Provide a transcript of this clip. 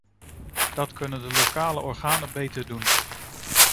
Dat kunnen de lokale organen beter doen.